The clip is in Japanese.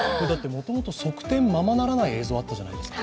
もともと側転ままならない映像があったじゃないですか。